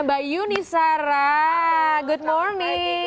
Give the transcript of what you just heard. mbak yuni sarah good morning